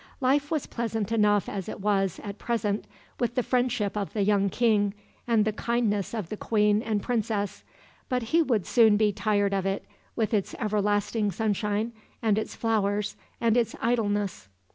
Life was pleasant enough as it was, at present, with the friendship of the young king, and the kindness of the queen and princess; but he would soon be tired of it, with its everlasting sunshine, and its flowers, and its idleness.